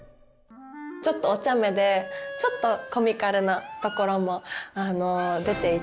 ちょっとおちゃめでちょっとコミカルなところも出ていたのがすごい好きでしたね。